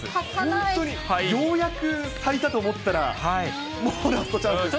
本当にようやく、咲いたと思ったら、もうラストチャンスですか。